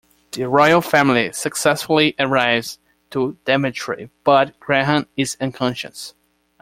The royal family successfully arrives to Daventry, but Graham is unconscious.